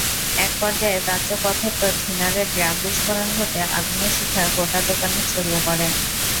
একপর্যায়ে দাহ্য পদার্থ থিনারের ড্রাম বিস্ফোরণ ঘটে আগুনের শিখা গোটা দোকানে ছড়িয়ে পড়ে।